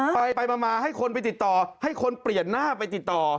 ไปมาให้คนไปติดต่อให้คนเปลี่ยนหน้าไปติดต่อ